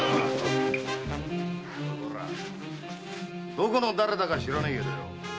どこの誰だか知らねえけどよ